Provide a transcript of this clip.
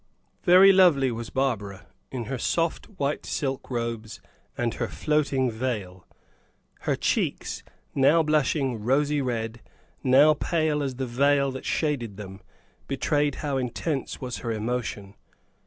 Very lovely was Barbara, in her soft white silk robes and her floating veil. Her cheeks, now blushing rosy red, now pale as the veil that shaded them, betrayed how intense was her emotion.